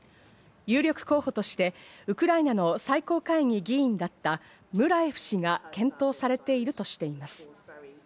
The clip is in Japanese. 有力候補としてウクライナの最高会議議員だったムラエフ氏が検討されているとしています。